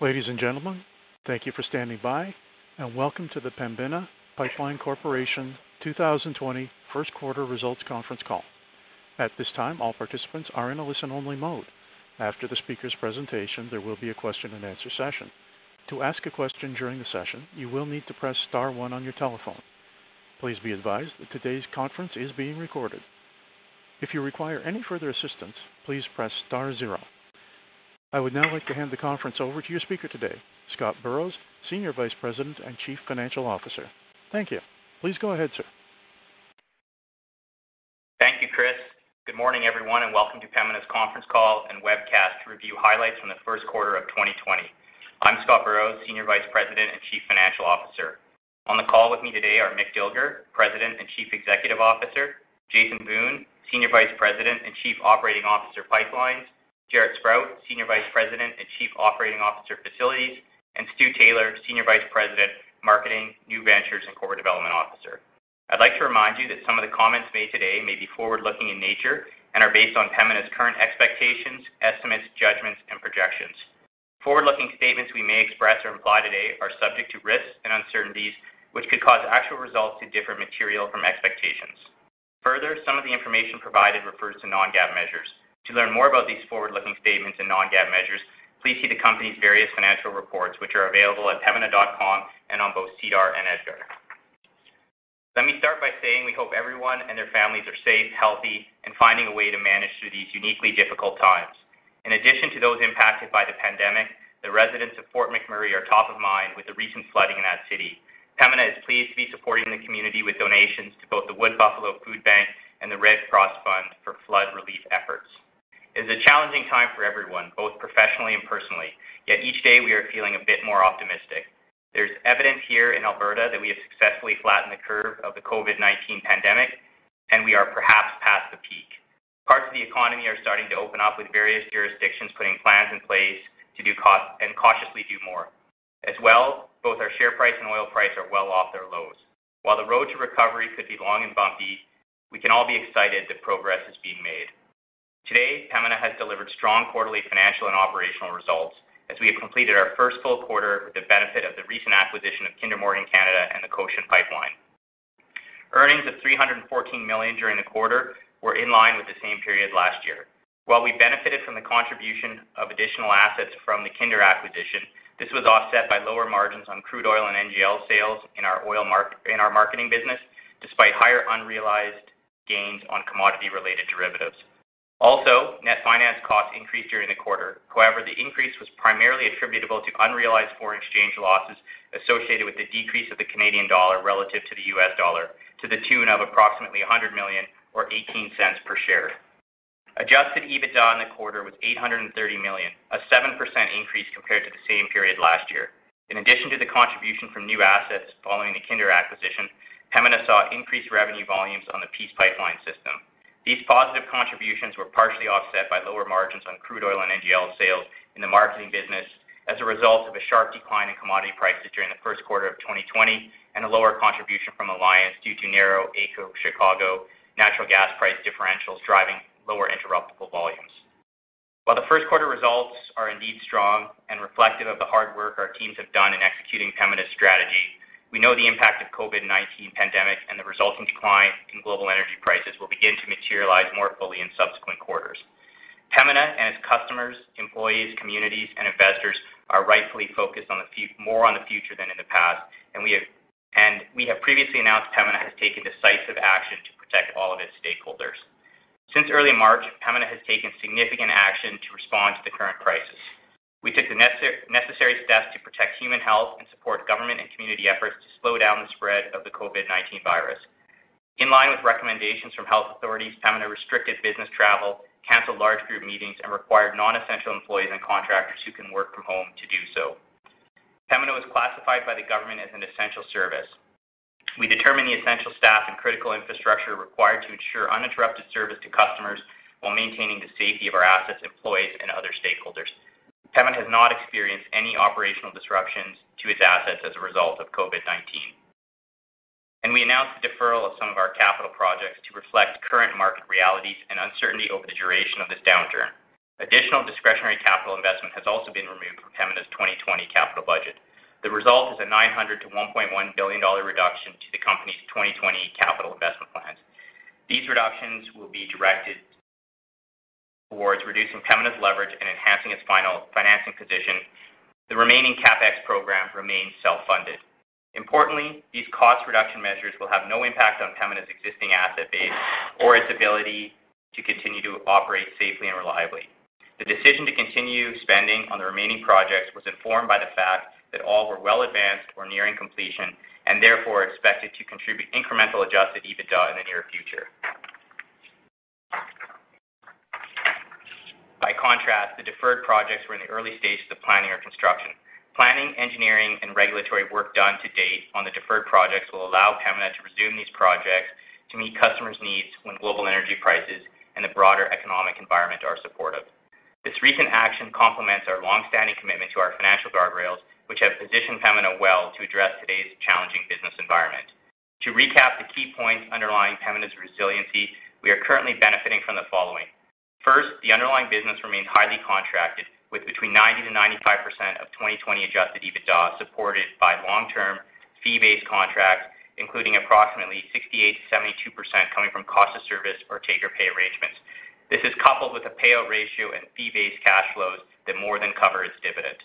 Ladies and gentlemen, thank you for standing by and welcome to the Pembina Pipeline Corporation 2020 first quarter results conference call. At this time, all participants are in a listen-only mode. After the speaker's presentation, there will be a question-and-answer session. To ask a question during the session, you will need to press star one on your telephone. Please be advised that today's conference is being recorded. If you require any further assistance, please press star zero. I would now like to hand the conference over to your speaker today, Scott Burrows, Senior Vice President and Chief Financial Officer. Thank you. Please go ahead, sir. Thank you, Chris. Good morning, everyone, and welcome to Pembina's conference call and webcast to review highlights from the first quarter of 2020. I'm Scott Burrows, Senior Vice President and Chief Financial Officer. On the call with me today are Mick Dilger, President and Chief Executive Officer; Jason Wiun, Senior Vice President and Chief Operating Officer, Pipelines; Jaret Sprott, Senior Vice President and Chief Operating Officer, Facilities; and Stu Taylor, Senior Vice President, Marketing, New Ventures and Corporate Development Officer. I'd like to remind you that some of the comments made today may be forward-looking in nature and are based on Pembina's current expectations, estimates, judgments, and projections. Forward-looking statements we may express or imply today are subject to risks and uncertainties, which could cause actual results to differ material from expectations. Further, some of the information provided refers to non-GAAP measures. To learn more about these forward-looking statements and non-GAAP measures, please see the company's various financial reports, which are available at pembina.com and on both SEDAR and EDGAR. Let me start by saying we hope everyone and their families are safe, healthy, and finding a way to manage through these uniquely difficult times. In addition to those impacted by the pandemic, the residents of Fort McMurray are top of mind with the recent flooding in that city. Pembina is pleased to be supporting the community with donations to both the Wood Buffalo Food Bank and the Red Cross Fund for flood relief efforts. It is a challenging time for everyone, both professionally and personally, yet each day we are feeling a bit more optimistic. There's evidence here in Alberta that we have successfully flattened the curve of the COVID-19 pandemic, and we are perhaps past the peak. Parts of the economy are starting to open up with various jurisdictions putting plans in place and cautiously do more. As well, both our share price and oil price are well off their lows. While the road to recovery could be long and bumpy, we can all be excited that progress is being made. Today, Pembina has delivered strong quarterly financial and operational results as we have completed our first full quarter with the benefit of the recent acquisition of Kinder Morgan Canada and the Cochin Pipeline. Earnings of 314 million during the quarter were in line with the same period last year. While we benefited from the contribution of additional assets from the Kinder acquisition, this was offset by lower margins on crude oil and NGL sales in our marketing business, despite higher unrealized gains on commodity-related derivatives. Also, net finance costs increased during the quarter. The increase was primarily attributable to unrealized foreign exchange losses associated with the decrease of the Canadian dollar relative to the U.S. dollar to the tune of approximately 100 million or 0.18 per share. Adjusted EBITDA in the quarter was 830 million, a 7% increase compared to the same period last year. In addition to the contribution from new assets following the Kinder acquisition, Pembina saw increased revenue volumes on the Peace Pipeline system. These positive contributions were partially offset by lower margins on crude oil and NGL sales in the marketing business as a result of a sharp decline in commodity prices during the first quarter of 2020 and a lower contribution from Alliance due to narrow AECO-Chicago natural gas price differentials driving lower interruptible volumes. While the first quarter results are indeed strong and reflective of the hard work our teams have done in executing Pembina's strategy, we know the impact of COVID-19 pandemic and the resultant decline in global energy prices will begin to materialize more fully in subsequent quarters. Pembina and its customers, employees, communities, and investors are rightfully focused more on the future than in the past. We have previously announced Pembina has taken decisive action to protect all of its stakeholders. Since early March, Pembina has taken significant action to respond to the current crisis. We took the necessary steps to protect human health and support government and community efforts to slow down the spread of the COVID-19 virus. In line with recommendations from health authorities, Pembina restricted business travel, canceled large group meetings, and required non-essential employees and contractors who can work from home to do so. Pembina was classified by the government as an essential service. We determine the essential staff and critical infrastructure required to ensure uninterrupted service to customers while maintaining the safety of our assets, employees, and other stakeholders. Pembina has not experienced any operational disruptions to its assets as a result of COVID-19. We announced the deferral of some of our capital projects to reflect current market realities and uncertainty over the duration of this downturn. Additional discretionary capital investment has also been removed from Pembina's 2020 capital budget. The result is a 900 million-1.1 billion dollar reduction to the company's 2020 capital investment plans. These reductions will be directed towards reducing Pembina's leverage and enhancing its financing position. The remaining CapEx program remains self-funded. Importantly, these cost reduction measures will have no impact on Pembina's existing asset base or its ability to continue to operate safely and reliably. The decision to continue spending on the remaining projects was informed by the fact that all were well advanced or nearing completion and therefore expected to contribute incremental adjusted EBITDA in the near future. By contrast, the deferred projects were in the early stages of planning or construction. Planning, engineering, and regulatory work done to date on the deferred projects will allow Pembina to resume these projects to meet customers' needs when global energy prices and the broader economic environment are supportive. This recent action complements our longstanding commitment to our financial guardrails, which have positioned Pembina well to address today's challenging. To recap the key points underlying Pembina's resiliency, we are currently benefiting from the following. First, the underlying business remains highly contracted, with between 90%-95% of 2020 adjusted EBITDA supported by long-term fee-based contracts, including approximately 68%-72% coming from cost of service or take-or-pay arrangements. This is coupled with a payout ratio and fee-based cash flows that more than cover its dividend.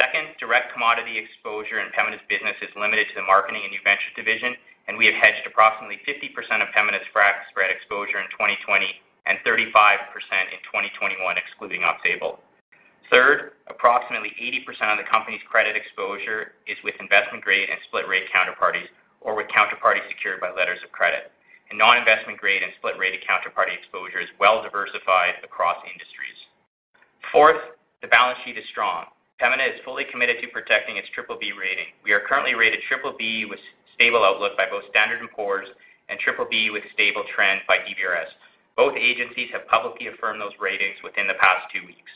Second, direct commodity exposure in Pembina's business is limited to the marketing and new ventures division, we have hedged approximately 50% of Pembina's frac spread exposure in 2020, and 35% in 2021, excluding Aux Sable. Third, approximately 80% of the company's credit exposure is with investment-grade and split-rate counterparties, or with counterparties secured by letters of credit. Non-investment grade and split-rated counterparty exposure is well diversified across industries. Fourth, the balance sheet is strong. Pembina is fully committed to protecting its BBB rating. We are currently rated BBB with stable outlook by both Standard & Poor's and BBB with stable trend by DBRS. Both agencies have publicly affirmed those ratings within the past two weeks.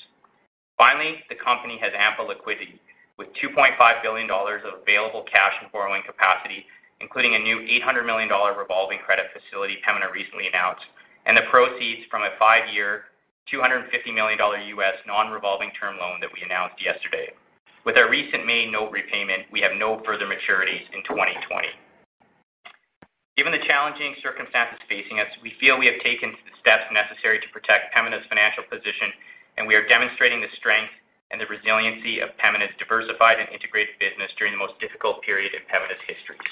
Finally, the company has ample liquidity, with 2.5 billion dollars of available cash and borrowing capacity, including a new 800 million dollar revolving credit facility Pembina recently announced, and the proceeds from a five-year, $250 million non-revolving term loan that we announced yesterday. With our recent main note repayment, we have no further maturities in 2020. Given the challenging circumstances facing us, we feel we have taken the steps necessary to protect Pembina's financial position, and we are demonstrating the strength and the resiliency of Pembina's diversified and integrated business during the most difficult period in Pembina's histories.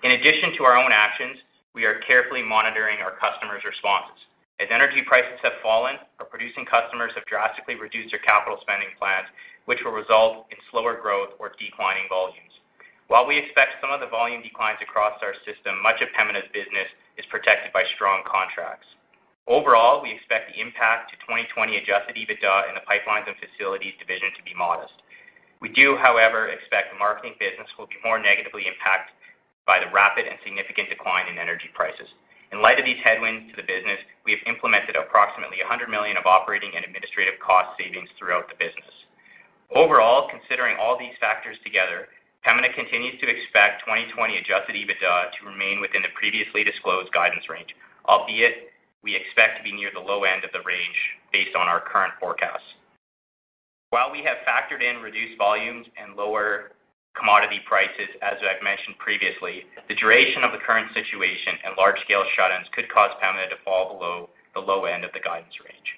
In addition to our own actions, we are carefully monitoring our customers' responses. As energy prices have fallen, our producing customers have drastically reduced their capital spending plans, which will result in slower growth or declining volumes. While we expect some of the volume declines across our system, much of Pembina's business is protected by strong contracts. Overall, we expect the impact to 2020 adjusted EBITDA in the Pipelines and Facilities division to be modest. We do, however, expect the marketing business will be more negatively impacted by the rapid and significant decline in energy prices. In light of these headwinds to the business, we have implemented approximately 100 million of operating and administrative cost savings throughout the business. Overall, considering all these factors together, Pembina continues to expect 2020 adjusted EBITDA to remain within the previously disclosed guidance range, albeit we expect to be near the low end of the range based on our current forecast. While we have factored in reduced volumes and lower commodity prices, as I've mentioned previously, the duration of the current situation and large-scale shut-ins could cause Pembina to fall below the low end of the guidance range.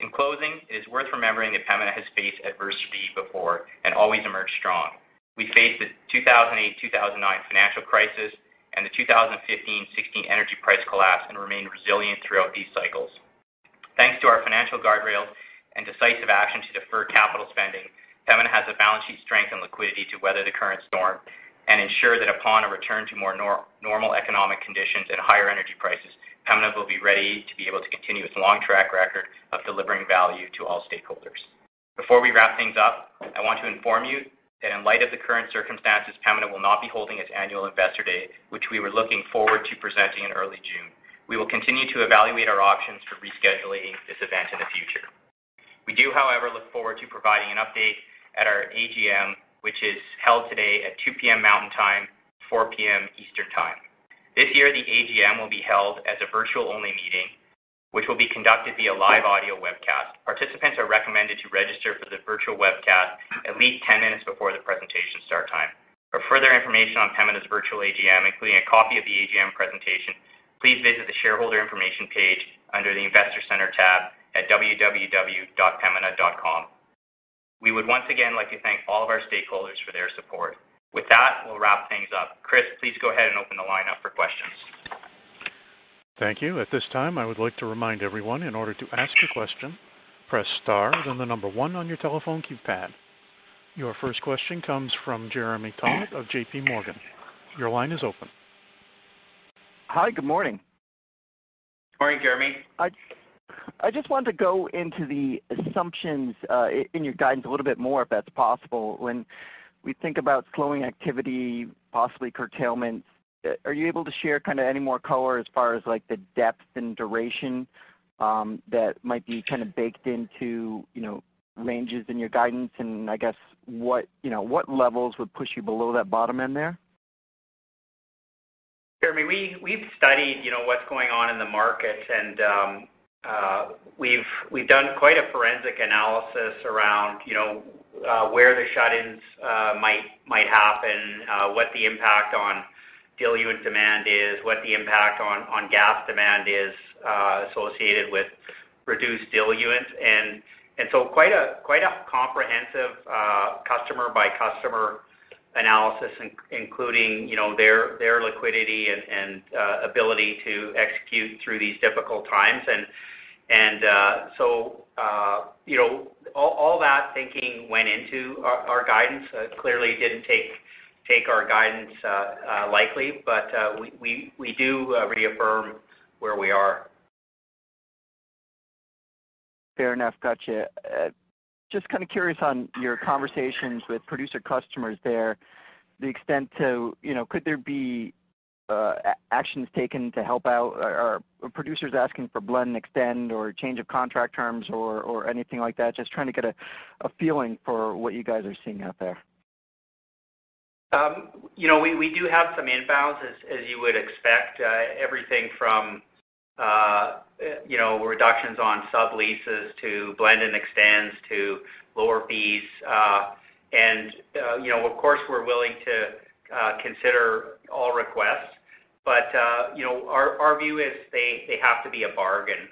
In closing, it is worth remembering that Pembina has faced adversity before and always emerged strong. We faced the 2008-2009 financial crisis and the 2015-2016 energy price collapse and remained resilient throughout these cycles. Thanks to our financial guardrails and decisive action to defer capital spending, Pembina has the balance sheet strength and liquidity to weather the current storm and ensure that upon a return to more normal economic conditions and higher energy prices, Pembina will be ready to be able to continue its long track record of delivering value to all stakeholders. Before we wrap things up, I want to inform you that in light of the current circumstances, Pembina will not be holding its annual investor day, which we were looking forward to presenting in early June. We will continue to evaluate our options for rescheduling this event in the future. We do, however, look forward to providing an update at our AGM, which is held today at 2:00 P.M. Mountain Time, 4:00 P.M. Eastern Time. This year, the AGM will be held as a virtual-only meeting, which will be conducted via live audio webcast. Participants are recommended to register for the virtual webcast at least 10 minutes before the presentation start time. For further information on Pembina's virtual AGM, including a copy of the AGM presentation, please visit the shareholder information page under the investor center tab at www.pembina.com. We would once again like to thank all of our stakeholders for their support. With that, we'll wrap things up. Chris, please go ahead and open the line up for questions. Thank you. At this time, I would like to remind everyone, in order to ask your question, press star then the number one on your telephone keypad. Your first question comes from Jeremy Tonet of J.P. Morgan. Your line is open. Hi, good morning. Morning, Jeremy. I just wanted to go into the assumptions, in your guidance a little bit more, if that's possible. When we think about slowing activity, possibly curtailment, are you able to share any more color as far as the depth and duration that might be baked into ranges in your guidance? What levels would push you below that bottom end there? Jeremy, we've studied what's going on in the markets and we've done quite a forensic analysis around where the shut-ins might happen, what the impact on diluent demand is, what the impact on gas demand is associated with reduced diluent. Quite a comprehensive customer-by-customer analysis, including their liquidity and ability to execute through these difficult times. All that thinking went into our guidance. Clearly didn't take our guidance lightly, but we do reaffirm where we are. Fair enough. Gotcha. Just curious on your conversations with producer customers there, the extent to Could there be actions taken to help out. Are producers asking for blend and extend or change of contract terms or anything like that? Just trying to get a feeling for what you guys are seeing out there. We do have some inbounds as you would expect. Everything from reductions on subleases to blend and extends to lower fees. Of course, we're willing to consider all requests, but our view is they have to be a bargain.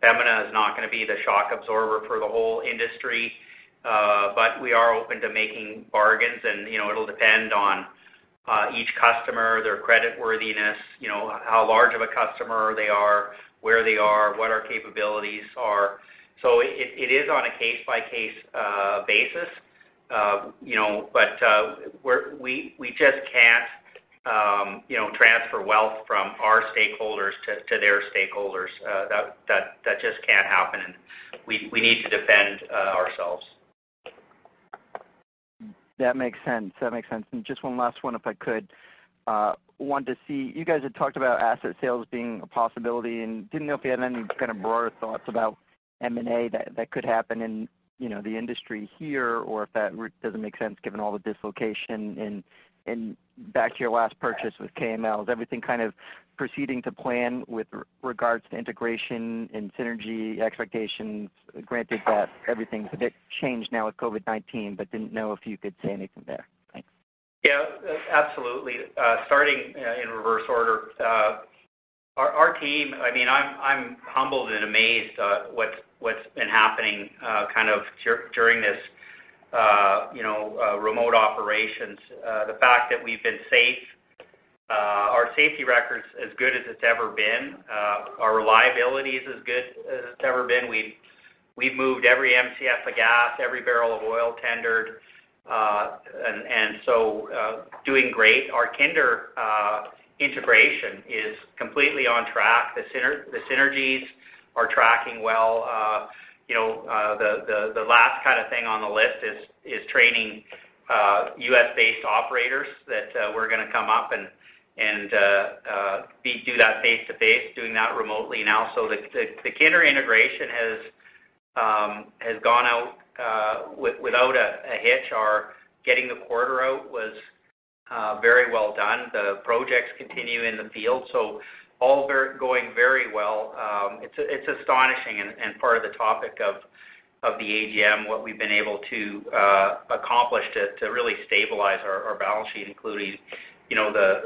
Pembina is not going to be the shock absorber for the whole industry. We are open to making bargains, and it'll depend on each customer, their credit worthiness, how large of a customer they are, where they are, what our capabilities are. It is on a case-by-case basis. We just can't transfer wealth from our stakeholders to their stakeholders. That just can't happen. We need to defend ourselves. That makes sense. Just one last one, if I could. Wanted to see, you guys had talked about asset sales being a possibility, and didn't know if you had any kind of broader thoughts about M&A that could happen in the industry here, or if that doesn't make sense given all the dislocation. Back to your last purchase with KML, is everything kind of proceeding to plan with regards to integration and synergy expectations, granted that everything's a bit changed now with COVID-19, but didn't know if you could say anything there. Thanks. Yeah, absolutely. Starting in reverse order. Our team, I'm humbled and amazed what's been happening kind of during this remote operations. The fact that we've been safe, our safety record's as good as it's ever been. Our reliability is as good as it's ever been. We've moved every Mcf of gas, every barrel of oil tendered, doing great. Our Kinder integration is completely on track. The synergies are tracking well. The last kind of thing on the list is training U.S.-based operators that we're going to come up and do that face-to-face, doing that remotely now. The Kinder integration has gone out without a hitch. Our getting the quarter out was very well done. The projects continue in the field, all going very well. It's astonishing and part of the topic of the AGM, what we've been able to accomplish to really stabilize our balance sheet, including the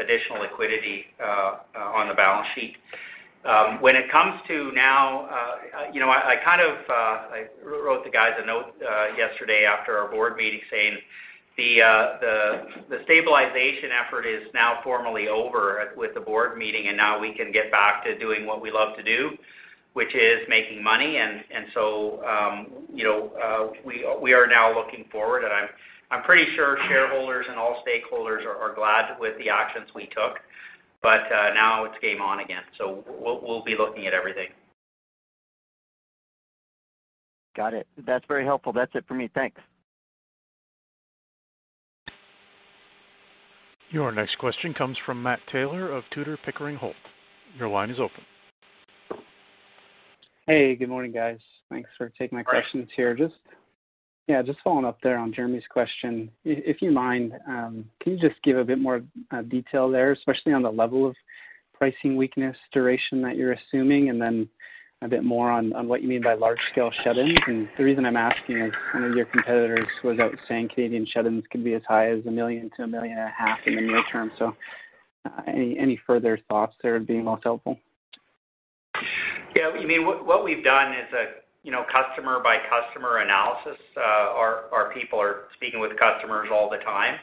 additional liquidity on the balance sheet. When it comes to now I wrote the guys a note yesterday after our board meeting saying the stabilization effort is now formally over with the board meeting, and now we can get back to doing what we love to do, which is making money. We are now looking forward, and I'm pretty sure shareholders and all stakeholders are glad with the actions we took. Now it's game on again, so we'll be looking at everything. Got it. That's very helpful. That's it for me. Thanks. Your next question comes from Matt Taylor of Tudor, Pickering, Holt. Your line is open. Hey, good morning, guys. Thanks for taking my questions here. Great. Yeah, just following up there on Jeremy's question. If you mind, can you just give a bit more detail there, especially on the level of pricing weakness duration that you're assuming, and then a bit more on what you mean by large scale shut-ins? The reason I'm asking is, one of your competitors was out saying Canadian shut-ins could be as high as a million-1.5 million in the near term. Any further thoughts there would be most helpful. Yeah, what we've done is a customer-by-customer analysis. Our people are speaking with customers all the time.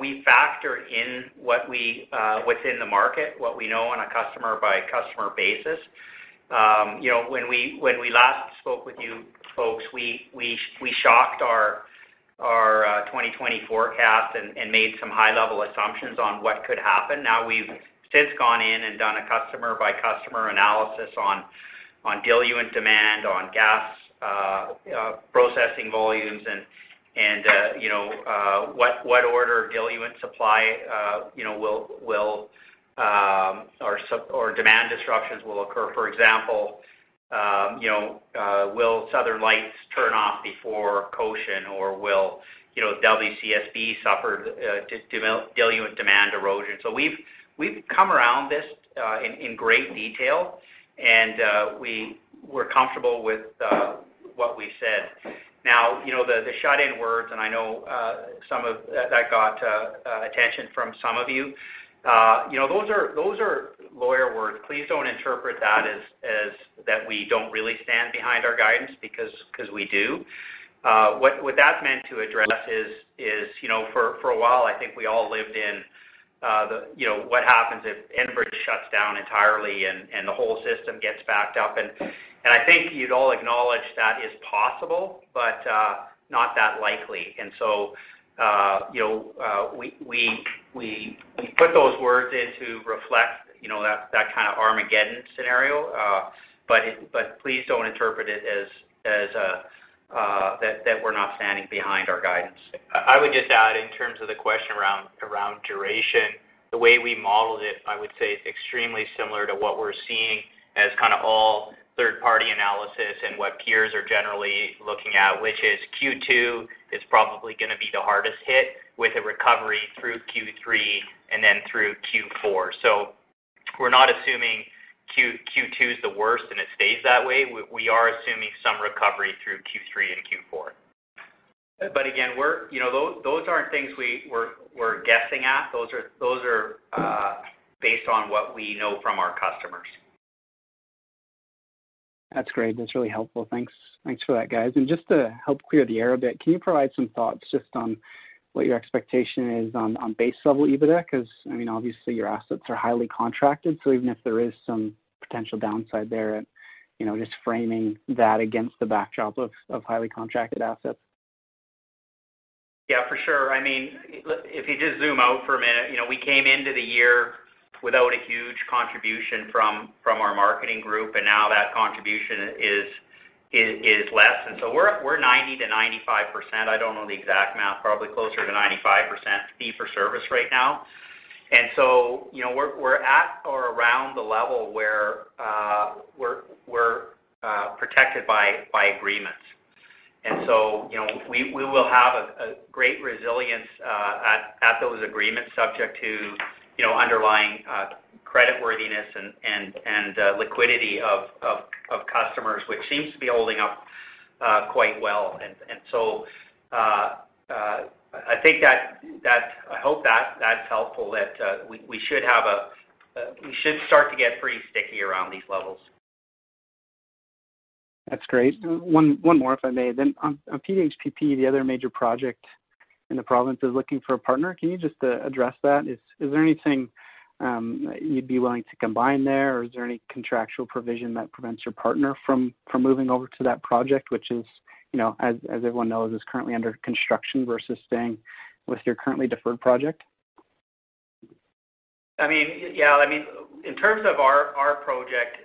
We factor in what's in the market, what we know on a customer-by-customer basis. When we last spoke with you folks, we shocked our 2020 forecast and made some high-level assumptions on what could happen. We've since gone in and done a customer-by-customer analysis on diluent demand, on gas processing volumes, and what order diluent supply or demand disruptions will occur. For example, will Southern Lights turn off before Goshen, or will WCSB suffer diluent demand erosion? We've come around this in great detail, and we're comfortable with what we said. The shut-in words, and I know that got attention from some of you. Those are lawyer words. Please don't interpret that as that we don't really stand behind our guidance because we do. What that's meant to address is, for a while, I think we all lived in what happens if Enbridge shuts down entirely and the whole system gets backed up. I think you'd all acknowledge that is possible, but not that likely. So, we put those words in to reflect that kind of Armageddon scenario. Please don't interpret it as that we're not standing behind our guidance. I would just add in terms of the question around duration, the way we modeled it, I would say, is extremely similar to what we're seeing as all third-party analysis and what peers are generally looking at, which is Q2 is probably going to be the hardest hit with a recovery through Q3 and then through Q4. We're not assuming Q2 is the worst and it stays that way. We are assuming some recovery through Q3 and Q4. Again, those aren't things we're guessing at. Those are based on what we know from our customers. That's great. That's really helpful. Thanks for that, guys. Just to help clear the air a bit, can you provide some thoughts just on what your expectation is on base-level EBITDA? Obviously your assets are highly contracted, so even if there is some potential downside there, just framing that against the backdrop of highly contracted assets. Yeah, for sure. If you just zoom out for a minute, we came into the year without a huge contribution from our marketing group, now that contribution is less. We're 90%-95%, I don't know the exact math, probably closer to 95% fee for service right now. We're at or around the level where we're protected by agreements. We will have a great resilience at those agreements subject to underlying credit worthiness and liquidity of customers, which seems to be holding up quite well. I think that I hope that's helpful, that we should start to get pretty sticky around these levels. That's great. One more, if I may, then on PHPP, the other major project in the province is looking for a partner. Can you just address that? Is there anything you'd be willing to combine there, or is there any contractual provision that prevents your partner from moving over to that project, which is, as everyone knows, is currently under construction versus staying with your currently deferred project? In terms of our project,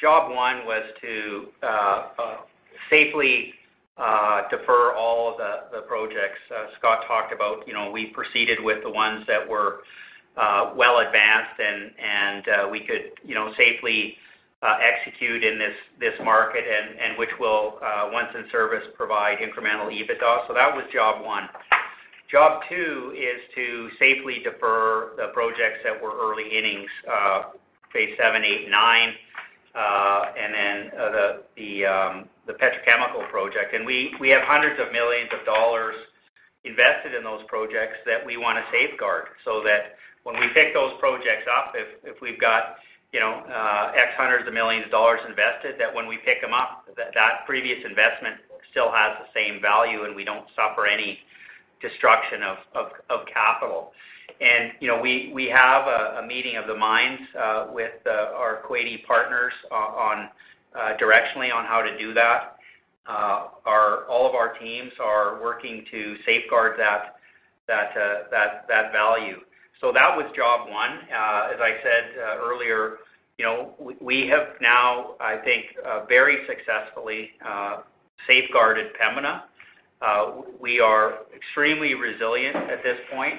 job one was to safely defer all of the projects Scott talked about. We proceeded with the ones that were well advanced and we could safely execute in this market and which will, once in service, provide incremental EBITDA. That was job one. Job two is to safely defer the projects that were early innings, phase VII, VIII, and IX, the petrochemical project. We have hundreds of millions of dollars invested in those projects that we want to safeguard so that when we pick those projects up, if we've got x hundreds of millions of dollars invested, that when we pick them up, that previous investment still has the same value, and we don't suffer any destruction of capital. We have a meeting of the minds with our Kuwaiti partners directionally on how to do that. All of our teams are working to safeguard that value. That was job one. As I said earlier, we have now, I think, very successfully safeguarded Pembina. We are extremely resilient at this point.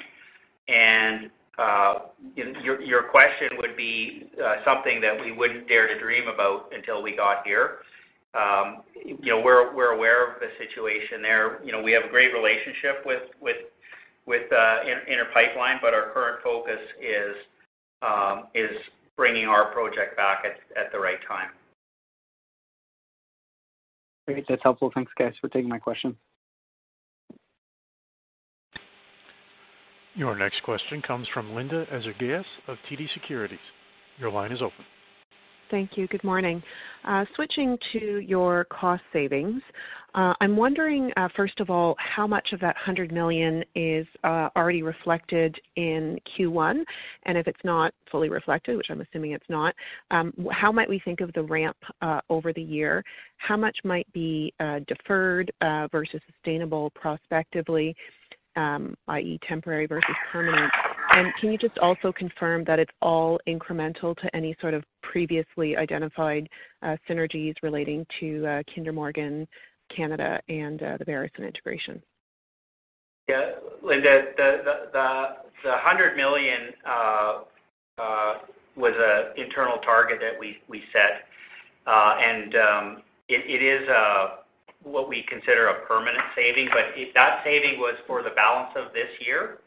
Your question would be something that we wouldn't dare to dream about until we got here. We're aware of the situation there. We have a great relationship with Inter Pipeline, but our current focus is bringing our project back at the right time. Great. That's helpful. Thanks, guys, for taking my question. Your next question comes from Linda Ezergailis of TD Securities. Your line is open. Thank you. Good morning. Switching to your cost savings. I'm wondering, first of all, how much of that 100 million is already reflected in Q1? If it's not fully reflected, which I'm assuming it's not, how might we think of the ramp over the year? How much might be deferred versus sustainable prospectively, i.e., temporary versus permanent? Can you just also confirm that it's all incremental to any sort of previously identified synergies relating to Kinder Morgan Canada and the Veresen integration? Yeah, Linda, the 100 million was an internal target that we set. It is what we consider a permanent saving. That saving was for the balance of this year,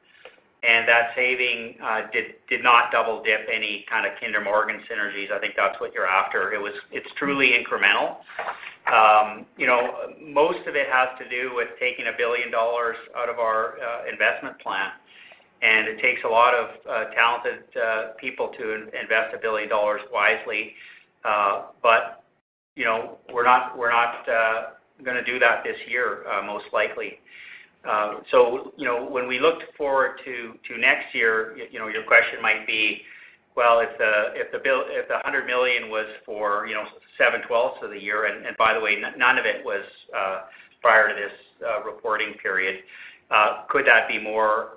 and that saving did not double-dip any kind of Kinder Morgan synergies. I think that's what you're after. It's truly incremental. Most of it has to do with taking 1 billion dollars out of our investment plan, and it takes a lot of talented people to invest 1 billion dollars wisely. We're not going to do that this year, most likely. When we looked forward to next year, your question might be, well, if the 100 million was for seven twelfths of the year, and by the way, none of it was prior to this reporting period, could that be more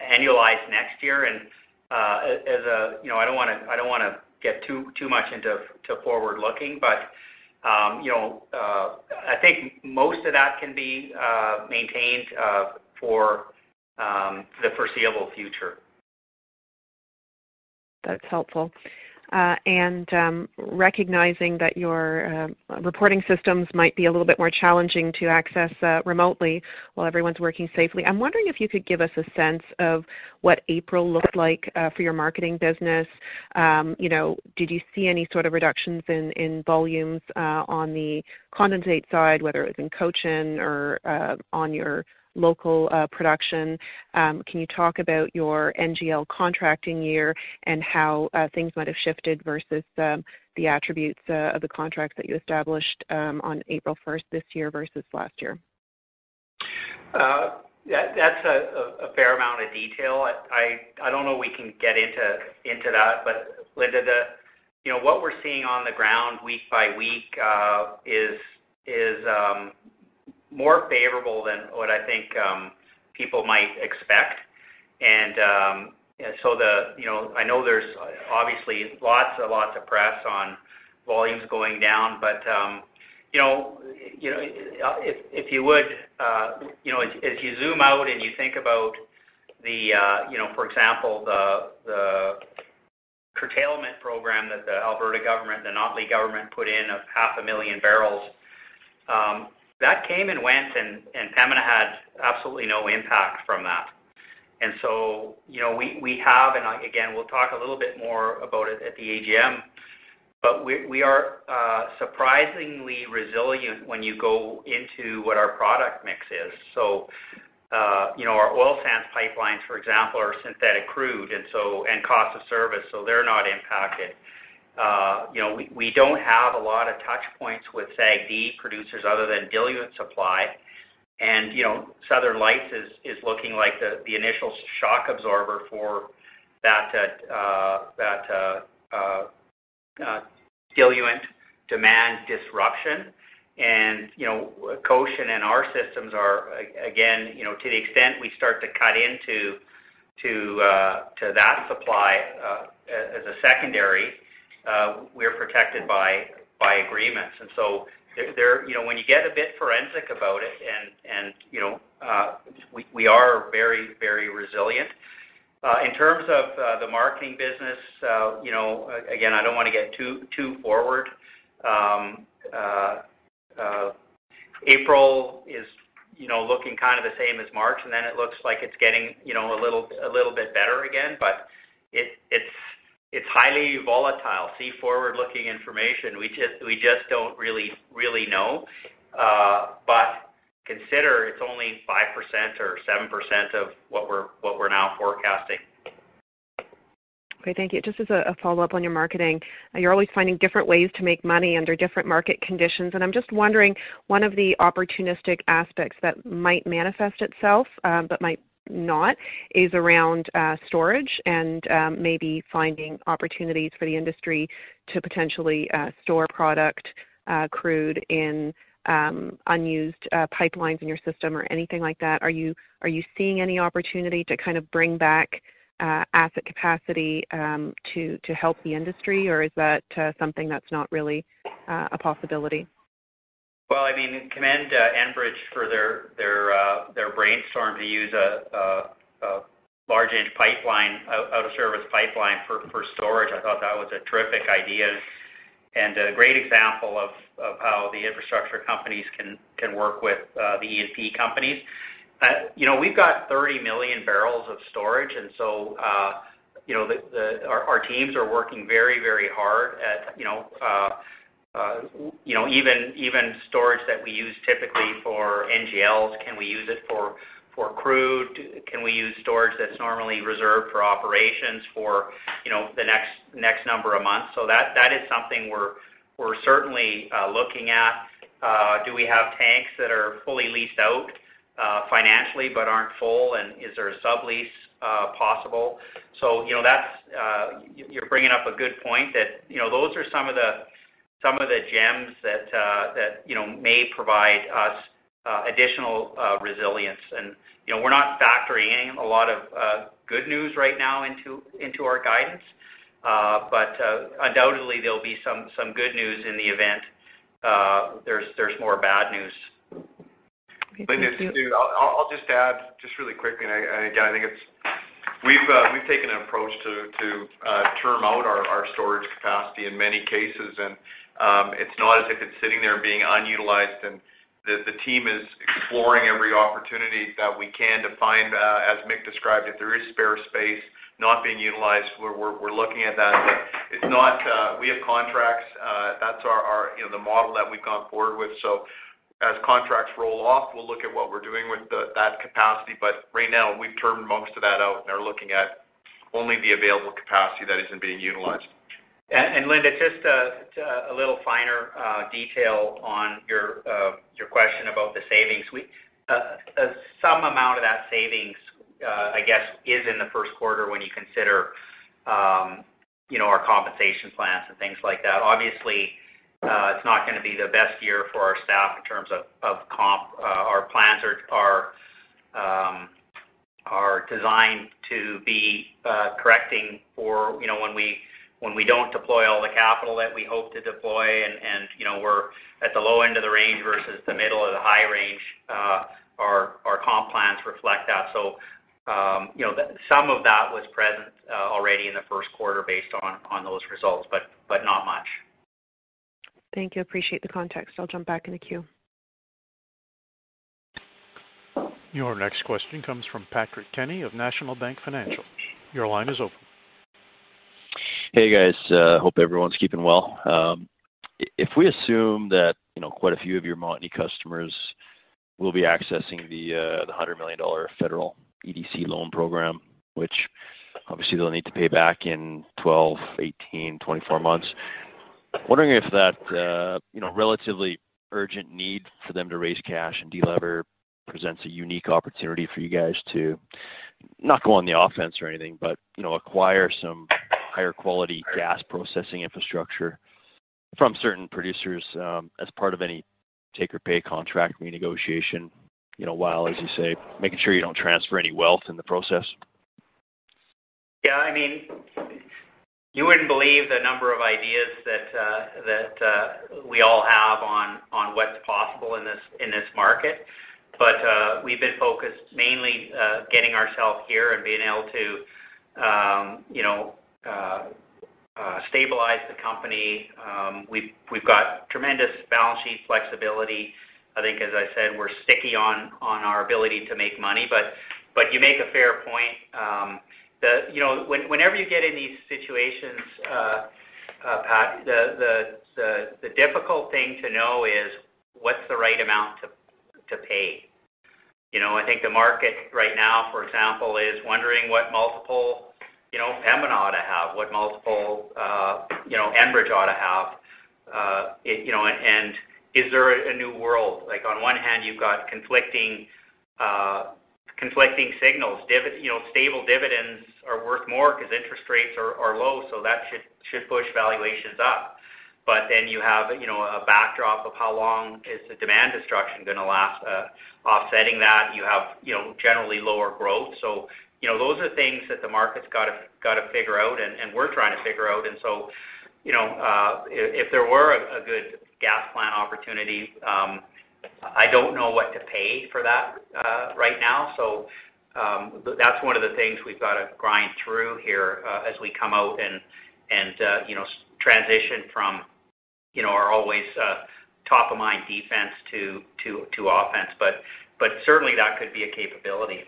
annualized next year? I don't want to get too much into forward-looking, but I think most of that can be maintained for the foreseeable future. That's helpful. Recognizing that your reporting systems might be a little bit more challenging to access remotely while everyone's working safely, I'm wondering if you could give us a sense of what April looked like for your marketing business. Did you see any sort of reductions in volumes on the condensate side, whether it was in Cochin or on your local production? Can you talk about your NGL contracting year and how things might have shifted versus the attributes of the contracts that you established on April 1st this year versus last year? That's a fair amount of detail. I don't know we can get into that. Linda, what we're seeing on the ground week by week is more favorable than what I think people might expect. I know there's obviously lots and lots of press on volumes going down, but if you zoom out and you think about, for example, the curtailment program that the Alberta Government, the Notley Government, put in of 500,000 bbl, that came and went. Pembina had absolutely no impact from that. We have, again, we'll talk a little bit more about it at the AGM. We are surprisingly resilient when you go into what our product mix is. Our oil sands pipelines, for example, are synthetic crude and cost of service. They're not impacted. We don't have a lot of touch points with, say, E&P producers other than diluent supply. Southern Lights is looking like the initial shock absorber for that diluent demand disruption. Cochin and our systems are, again, to the extent we start to cut into that supply as a secondary, we're protected by agreements. When you get a bit forensic about it, we are very, very resilient. In terms of the marketing business, again, I don't want to get too forward. April is looking kind of the same as March, and then it looks like it's getting a little bit better again. It's highly volatile. See forward-looking information, we just don't really know. Consider it's only 5% or 7% of what we're now forecasting. Okay, thank you. Just as a follow-up on your marketing, you're always finding different ways to make money under different market conditions. I'm just wondering one of the opportunistic aspects that might manifest itself, but might not, is around storage and maybe finding opportunities for the industry to potentially store product crude in unused pipelines in your system or anything like that. Are you seeing any opportunity to bring back asset capacity to help the industry, or is that something that's not really a possibility? Well, I commend Enbridge for their brainstorm to use a large-ish pipeline, out-of-service pipeline, for storage. I thought that was a terrific idea and a great example of how the infrastructure companies can work with the E&P companies. We've got 30 million barrels of storage, our teams are working very, very hard at even storage that we use typically for NGLs. Can we use it for crude? Can we use storage that's normally reserved for operations for the next number of months? That is something we're certainly looking at. Do we have tanks that are fully leased out financially but aren't full, and is there a sublease possible? You're bringing up a good point that those are some of the gems that may provide us additional resilience. We're not factoring a lot of good news right now into our guidance. Undoubtedly, there'll be some good news in the event there's more bad news. Okay, thank you. Linda, I'll just add really quickly, and again, we've taken an approach to term out our storage capacity in many cases, and it's not as if it's sitting there and being unutilized, and the team is exploring every opportunity that we can to find, as Mick described, if there is spare space not being utilized, we're looking at that. We have contracts. That's the model that we've gone forward with. As contracts roll off, we'll look at what we're doing with that capacity. Right now, we've termed most of that out and are looking at only the available capacity that isn't being utilized. Linda, just a little finer detail on your question about the savings. Some amount of that savings, I guess, is in the first quarter when you consider our compensation plans and things like that. Obviously, it's not going to be the best year for our staff in terms of comp. Our plans are designed to be correcting for when we don't deploy all the capital that we hope to deploy, and we're at the low end of the range versus the middle of the high range. Our comp plans reflect that. Some of that was present already in the first quarter based on those results, but not much. Thank you. Appreciate the context. I'll jump back in the queue. Your next question comes from Patrick Kenny of National Bank Financial. Your line is open. Hey, guys. Hope everyone's keeping well. If we assume that quite a few of your Montney customers will be accessing the 100 million dollar federal EDC loan program, which obviously they'll need to pay back in 12, 18, 24 months. Wondering if that relatively urgent need for them to raise cash and de-lever presents a unique opportunity for you guys to not go on the offense or anything, but acquire some higher quality gas processing infrastructure from certain producers as part of any take-or-pay contract renegotiation, while, as you say, making sure you don't transfer any wealth in the process. Yeah, you wouldn't believe the number of ideas that we all have on what's possible in this market. We've been focused mainly getting ourselves here and being able to stabilize the company. We've got tremendous balance sheet flexibility. I think, as I said, we're sticky on our ability to make money, but you make a fair point. Whenever you get in these situations, Pat, the difficult thing to know is what's the right amount to pay. I think the market right now, for example, is wondering what multiple Pembina ought to have, what multiple Enbridge ought to have, and is there a new world? On one hand, you've got conflicting signals. Stable dividends are worth more because interest rates are low, that should push valuations up. You have a backdrop of how long is the demand destruction going to last. Offsetting that, you have generally lower growth. Those are things that the market's got to figure out, and we're trying to figure out. If there were a good gas plant opportunity, I don't know what to pay for that right now. That's one of the things we've got to grind through here as we come out and transition from our always top-of-mind defense to offense. Certainly, that could be a capability.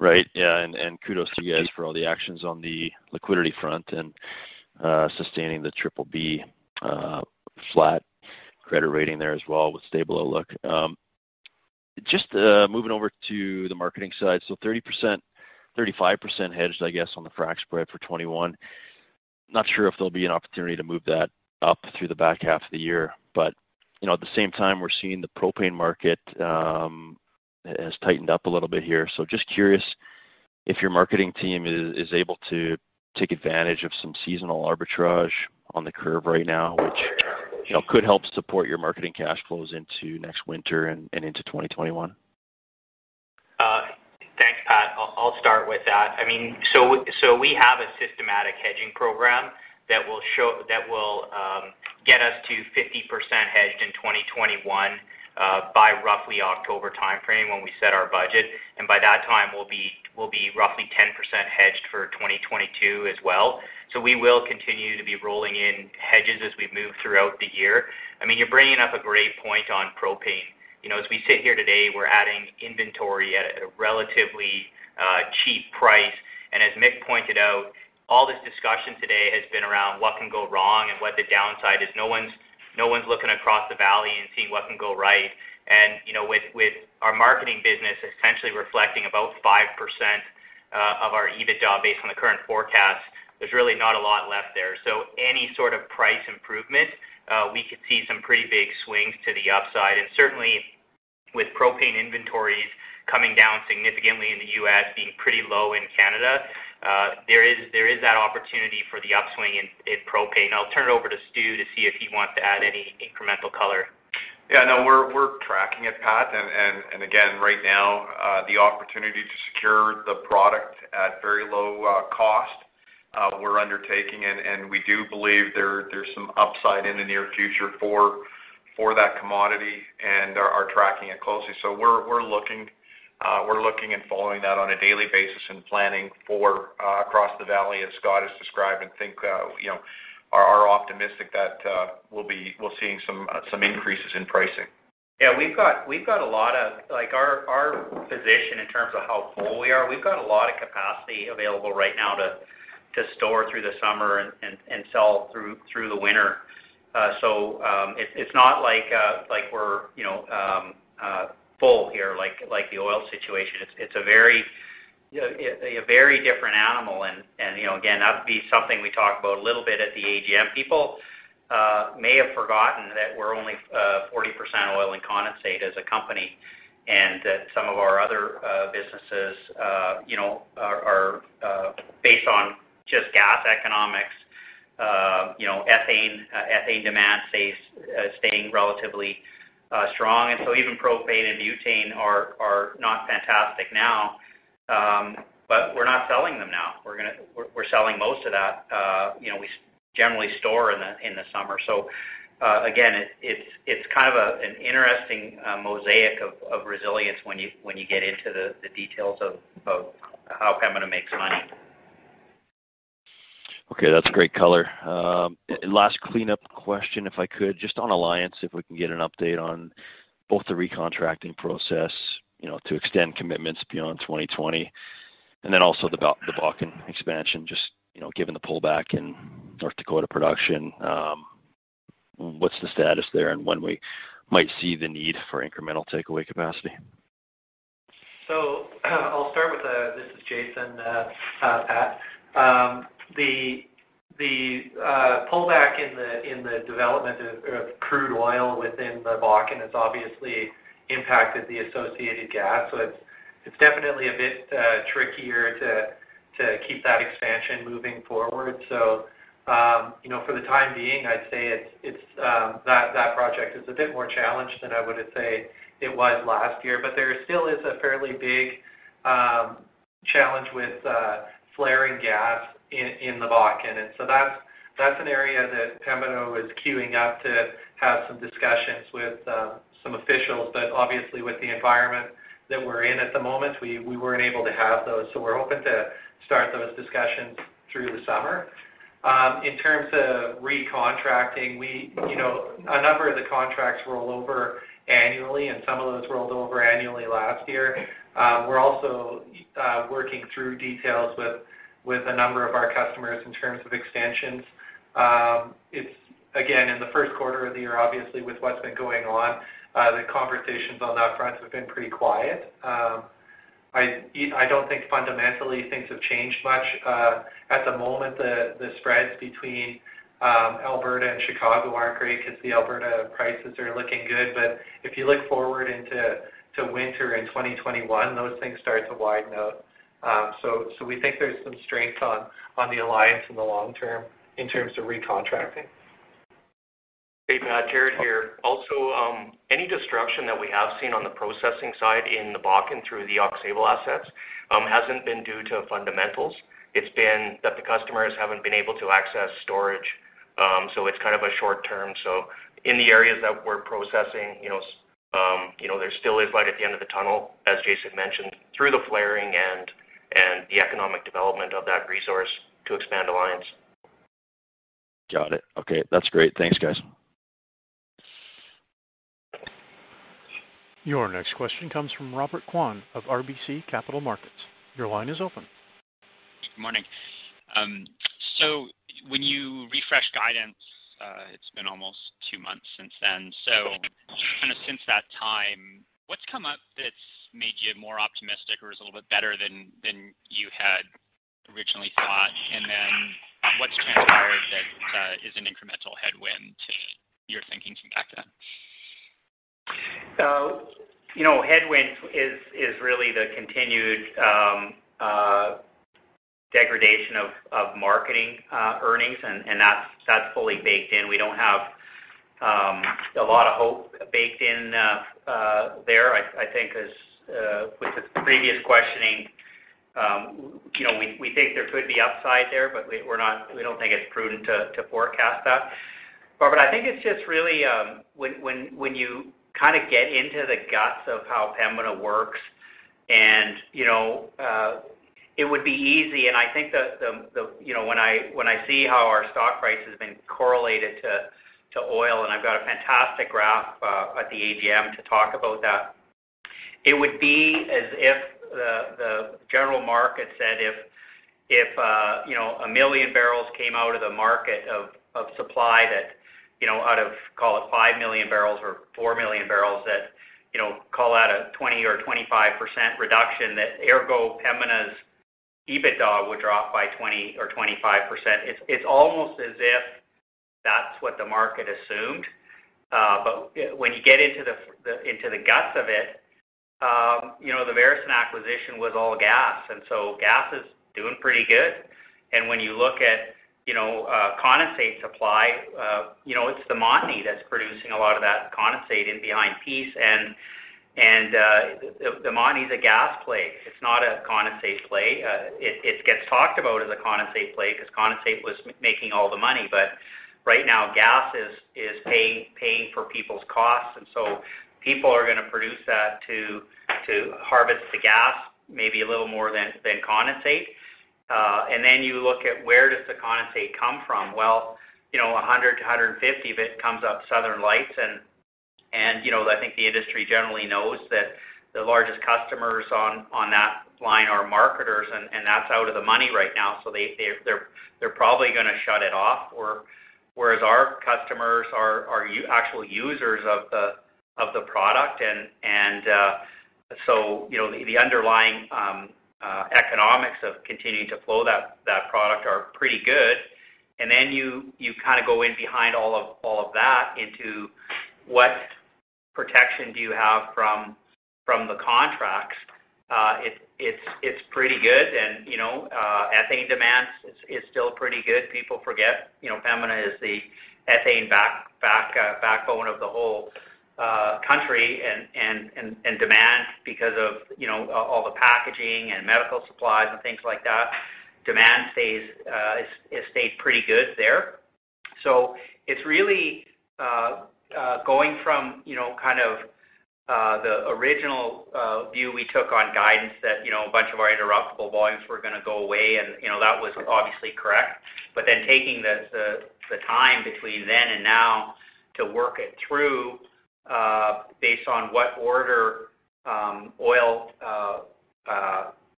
Right. Yeah. Kudos to you guys for all the actions on the liquidity front and sustaining the BBB flat credit rating there as well, with stable outlook. Just moving over to the marketing side. 30%-35% hedged, I guess, on the frac spread for 2021. Not sure if there'll be an opportunity to move that up through the back half of the year. At the same time, we're seeing the propane market has tightened up a little bit here. Just curious if your marketing team is able to take advantage of some seasonal arbitrage on the curve right now, which could help support your marketing cash flows into next winter and into 2021. Thanks, Pat. I'll start with that. We have a systematic hedging program that will get us to 50% hedged in 2021 by roughly October timeframe when we set our budget. By that time, we'll be roughly 10% hedged for 2022 as well. We will continue to be rolling in hedges as we move throughout the year. You're bringing up a great point on propane. As we sit here today, we're adding inventory at a relatively cheap price. As Mick pointed out, all this discussion today has been around what can go wrong and what the downside is. No one's looking across the valley and seeing what can go right. With our marketing business essentially reflecting about 5% of our EBITDA based on the current forecast, there's really not a lot left there. Any sort of price improvement, we could see some pretty big swings to the upside. Certainly, with propane inventories coming down significantly in the U.S., being pretty low in Canada, there is that opportunity for the upswing in propane. I'll turn it over to Stu to see if he wants to add any incremental color. Yeah, no, we're tracking it, Pat. Again, right now, the opportunity to secure the product at very low cost, we're undertaking, and we do believe there's some upside in the near future for that commodity, and are tracking it closely. We're looking and following that on a daily basis and planning for across the valley, as Scott has described, and are optimistic that we'll be seeing some increases in pricing. Our position in terms of how full we are, we've got a lot of capacity available right now to store through the summer and sell through the winter. It's not like we're full here, like the oil situation. A very different animal. Again, that would be something we talk about a little bit at the AGM. People may have forgotten that we're only 40% oil and condensate as a company, and that some of our other businesses are based on just gas economics. Ethane demand staying relatively strong. Even propane and butane are not fantastic now. We're not selling them now. We're selling most of that. We generally store in the summer. Again, it's kind of an interesting mosaic of resilience when you get into the details of how Pembina makes money. Okay, that's great color. Last cleanup question, if I could, just on Alliance, if we can get an update on both the recontracting process to extend commitments beyond 2020, and then also the Bakken expansion, just given the pullback in North Dakota production. What's the status there, and when we might see the need for incremental takeaway capacity? I'll start with This is Jason, Pat. The pullback in the development of crude oil within the Bakken has obviously impacted the associated gas. It's definitely a bit trickier to keep that expansion moving forward. For the time being, I'd say that project is a bit more challenged than I would say it was last year. There still is a fairly big challenge with flaring gas in the Bakken. That's an area that Pembina was queuing up to have some discussions with some officials. Obviously with the environment that we're in at the moment, we weren't able to have those. We're hoping to start those discussions through the summer. In terms of recontracting, a number of the contracts roll over annually, and some of those rolled over annually last year. We're also working through details with a number of our customers in terms of expansions. It's, again, in the first quarter of the year, obviously, with what's been going on, the conversations on that front have been pretty quiet. I don't think fundamentally things have changed much. At the moment, the spreads between Alberta and Chicago aren't great because the Alberta prices are looking good. If you look forward into winter in 2021, those things start to widen out. We think there's some strength on the Alliance in the long term in terms of recontracting. Hey, Pat. Jaret here. Any disruption that we have seen on the processing side in the Bakken through the Aux Sable assets hasn't been due to fundamentals. It's been that the customers haven't been able to access storage. It's kind of a short term. In the areas that we're processing, there still is light at the end of the tunnel, as Jason mentioned, through the flaring and the economic development of that resource to expand Alliance. Got it. Okay. That's great. Thanks, guys. Your next question comes from Robert Kwan of RBC Capital Markets. Your line is open. Good morning. When you refresh guidance, it's been almost two months since then. Since that time, what's come up that's made you more optimistic or is a little bit better than you had originally thought? What's transpired that is an incremental headwind to your thinking from back then? Headwind is really the continued degradation of marketing earnings, and that's fully baked in. We don't have a lot of hope baked in there. I think with the previous questioning, we think there could be upside there, but we don't think it's prudent to forecast that. Robert, I think it's just really when you get into the guts of how Pembina works and it would be easy, and I think that when I see how our stock price has been correlated to oil, and I've got a fantastic graph at the AGM to talk about that. It would be as if the general market said if 1 million barrels came out of the market of supply that out of, call it 5 million barrels or 4 million barrels, that, call that a 20% or 25% reduction, that ergo Pembina's EBITDA would drop by 20% or 25%. It's almost as if that's what the market assumes. When you get into the guts of it, the Veresen acquisition was all gas. Gas is doing pretty good. When you look at condensate supply, it's Duvernay that's producing a lot of that condensate in behind Peace. Duvernay's a gas play. It's not a condensate play. It gets talked about as a condensate play because condensate was making all the money. Right now, gas is paying for people's costs, and so people are going to produce that to harvest the gas, maybe a little more than condensate. You look at where does the condensate come from? Well, 100-150 of it comes up Southern Lights, and I think the industry generally knows that the largest customers on that line are marketers, and that's out of the money right now. They're probably going to shut it off. Whereas our customers are actual users of the product. The underlying economics of continuing to flow that product are pretty good. Then you go way behind all of that in to what protection do you have from the contract, it's pretty good. Ethane demand is still pretty good. People forget, Pembina is the ethane backbone of the whole country, and demand because of all the packaging and medical supplies and things like that, demand has stayed pretty good there. It's really going from the original view we took on guidance that a bunch of our interruptible volumes were going to go away, and that was obviously correct. Taking the time between then and now to work it through, based on what order oil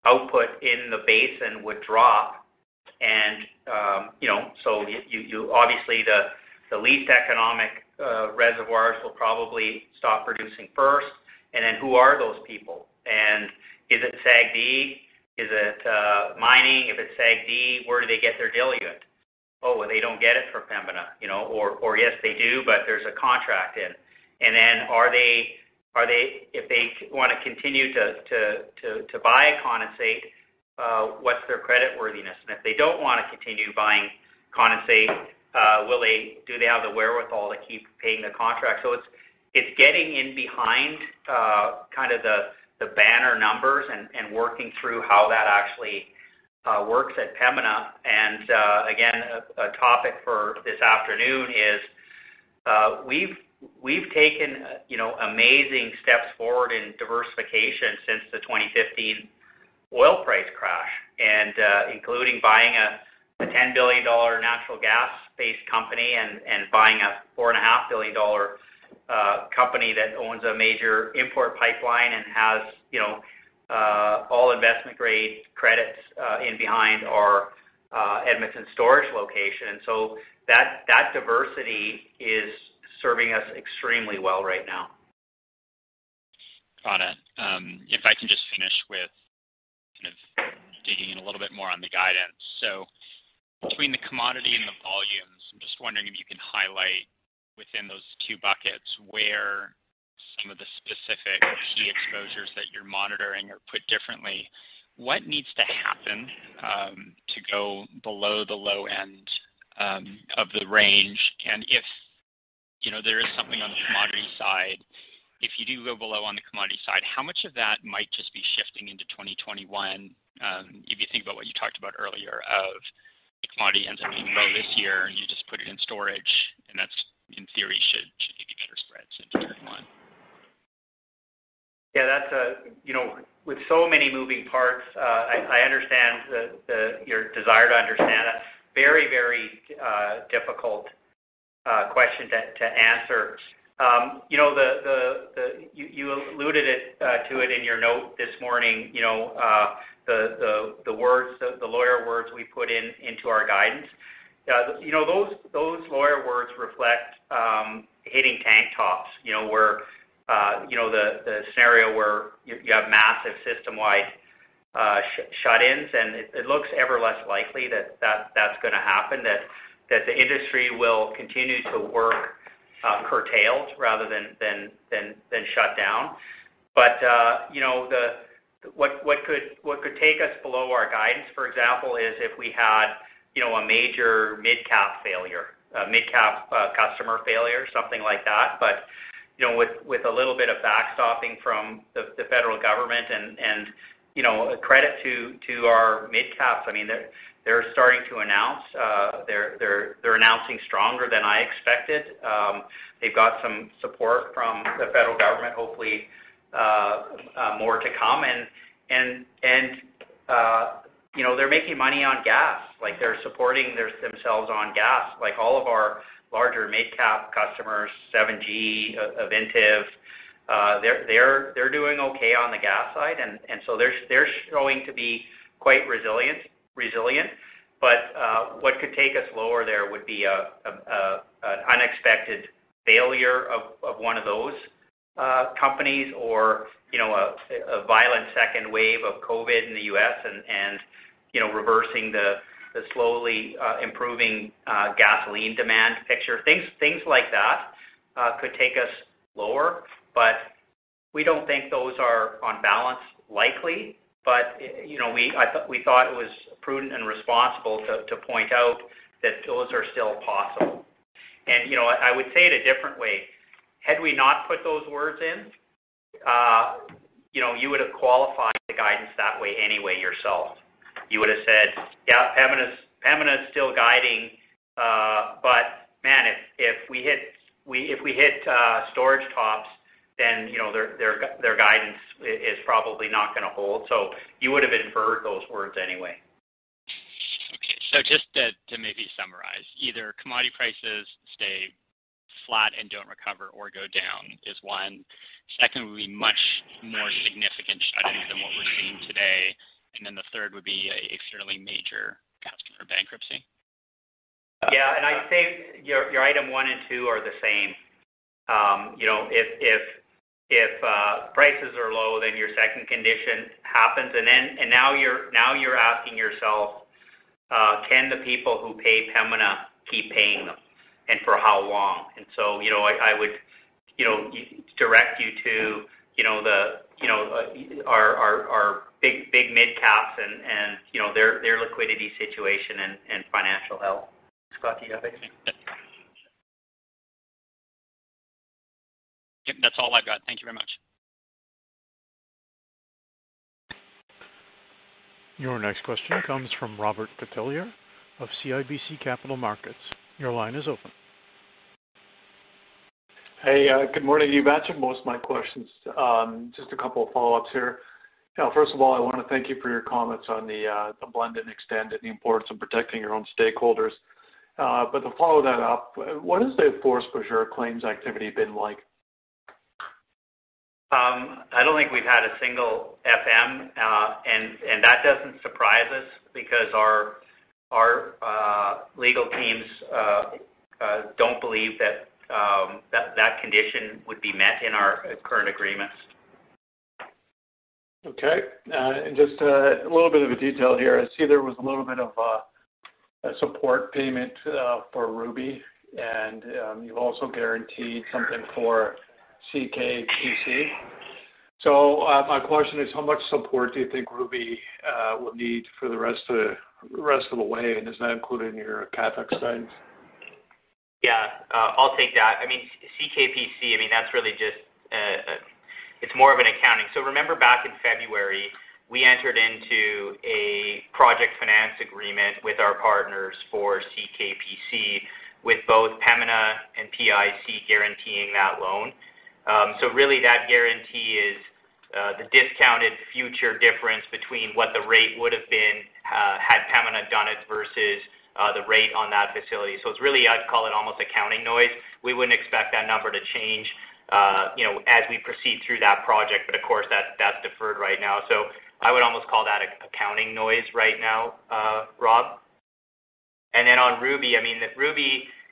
output in the basin would drop. Obviously, the least economic reservoirs will probably stop producing first. Who are those people? Is it SAGD? Is it mining? If it's SAGD, where do they get their diluent? Oh, well, they don't get it from Pembina. Yes they do, but there's a contract in. If they want to continue to buy condensate, what's their credit worthiness? If they don't want to continue buying condensate, do they have the wherewithal to keep paying the contract? It's getting in behind the banner numbers and working through how that actually works at Pembina. Again, a topic for this afternoon is we've taken amazing steps forward in diversification since the 2015 oil price crash, including buying a 10 billion dollar natural gas-based company and buying a 4.5 billion dollar company that owns a major import pipeline and has all investment-grade credits in behind our Edmonton storage location. That diversity is serving us extremely well right now. Got it. If I can just finish with digging in a little bit more on the guidance. Between the commodity and the volumes, I'm just wondering if you can highlight within those two buckets where some of the specific key exposures that you're monitoring, or put differently, what needs to happen, to go below the low end of the range? If there is something on the commodity side, if you do go below on the commodity side, how much of that might just be shifting into 2021? If you think about what you talked about earlier of the commodity ends up being low this year, and you just put it in storage, and that in theory should give you better spreads into 2021. Yeah. With so many moving parts, I understand your desire to understand that. Very difficult question to answer. You alluded to it in your note this morning, the lawyer words we put into our guidance. Those lawyer words reflect hitting tank tops, the scenario where you have massive system-wide shut-ins, and it looks ever less likely that that's going to happen, that the industry will continue to work curtailed rather than shut down. What could take us below our guidance, for example, is if we had a major mid-cap failure, a mid-cap customer failure, something like that. With a little bit of backstopping from the federal government and a credit to our mid-caps, they're starting to announce. They're announcing stronger than I expected. They've got some support from the federal government, hopefully, more to come. They're making money on gas. They're supporting themselves on gas. All of our larger mid-cap customers, 7G, Ovintiv, they're doing okay on the gas side. They're showing to be quite resilient. What could take us lower there would be an unexpected failure of one of those companies or a violent second wave of COVID in the U.S. and reversing the slowly improving gasoline demand picture. Things like that could take us lower, we don't think those are on balance likely. We thought it was prudent and responsible to point out that those are still possible. I would say it a different way. Had we not put those words in, you would've qualified the guidance that way anyway yourself. You would've said, "Yeah, Pembina is still guiding. Man, if we hit storage tops, then their guidance is probably not going to hold." You would've inferred those words anyway. Just to maybe summarize, either commodity prices flat and don't recover or go down is one. Second would be much more significant cutting than what we're seeing today. The third would be an extremely major customer bankruptcy. Yeah. I'd say your item one and two are the same. If prices are low, then your second condition happens, and now you're asking yourself, can the people who pay Pembina keep paying them, and for how long? I would direct you to our big mid-caps and their liquidity situation and financial health. Scott, do you have anything? That's all I've got. Thank you very much. Your next question comes from Robert Catellier of CIBC Capital Markets. Your line is open. Hey, good morning. You've answered most of my questions. Just a couple of follow-ups here. First of all, I want to thank you for your comments on the blend and extend and the importance of protecting your own stakeholders. To follow that up, what has the force majeure claims activity been like? I don't think we've had a single FM. That doesn't surprise us because our legal teams don't believe that that condition would be met in our current agreements. Okay. Just a little bit of a detail here. I see there was a little bit of a support payment for Ruby, and you've also guaranteed something for CKPC. My question is, how much support do you think Ruby will need for the rest of the way, and is that included in your CapEx guidance? Yeah, I'll take that. CKPC, that's really just more of an accounting. Remember back in February, we entered into a project finance agreement with our partners for CKPC with both Pembina and PIC guaranteeing that loan. Really that guarantee is the discounted future difference between what the rate would've been had Pembina done it versus the rate on that facility. It's really, I'd call it almost accounting noise. We wouldn't expect that number to change as we proceed through that project, but of course, that's deferred right now. I would almost call that accounting noise right now, Rob. Then on Ruby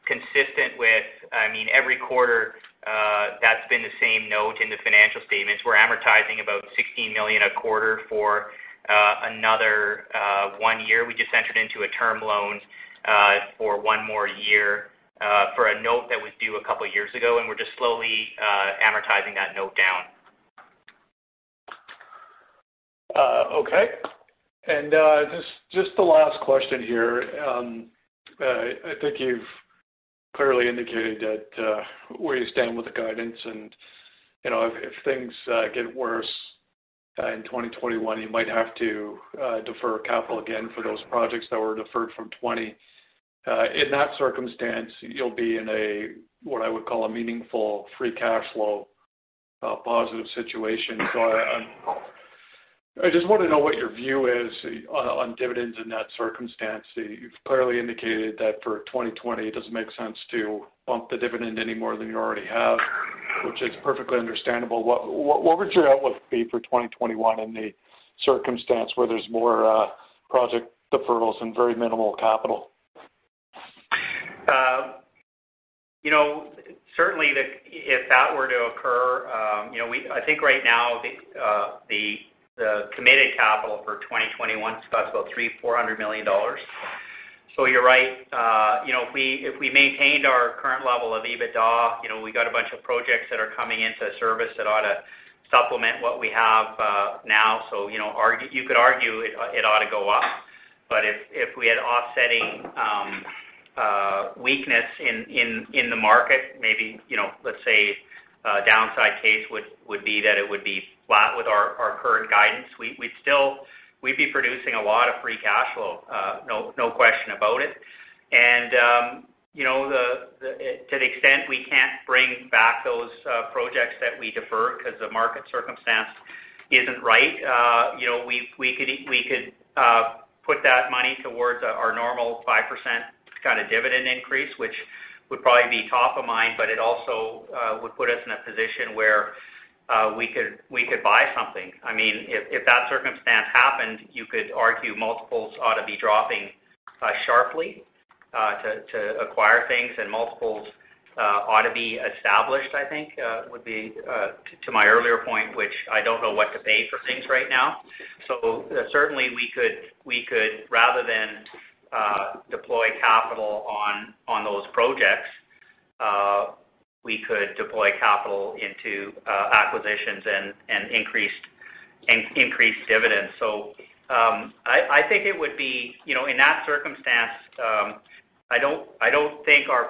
consistent with every quarter, that's been the same note in the financial statements. We're amortizing about 16 million a quarter for another one year. We just entered into a term loan for one more year for a note that was due a couple of years ago, and we're just slowly amortizing that note down. Okay. Just the last question here. I think you've clearly indicated where you stand with the guidance and if things get worse in 2021, you might have to defer capital again for those projects that were deferred from 2020. In that circumstance, you'll be in a, what I would call, a meaningful free cash flow positive situation. I just want to know what your view is on dividends in that circumstance. You've clearly indicated that for 2020, it doesn't make sense to bump the dividend any more than you already have, which is perfectly understandable. What would your outlook be for 2021 in the circumstance where there's more project deferrals and very minimal capital? Certainly if that were to occur, I think right now the committed capital for 2021, Scott, is about 300 million-400 million dollars. You're right. If we maintained our current level of EBITDA, we got a bunch of projects that are coming into service that ought to supplement what we have now. You could argue it ought to go up. If we had offsetting weakness in the market, maybe let's say a downside case would be that it would be flat with our current guidance. We'd be producing a lot of free cash flow, no question about it. To the extent we can't bring back those projects that we deferred because the market circumstance isn't right, we could put that money towards our normal 5% kind of dividend increase, which would probably be top of mind, but it also would put us in a position where we could buy something. If that circumstance happened, you could argue multiples ought to be dropping sharply to acquire things, and multiples ought to be established, I think, would be to my earlier point, which I don't know what to pay for things right now. Certainly we could rather than deploy capital on those projects, we could deploy capital into acquisitions and increase dividends. I think it would be, in that circumstance, I don't think our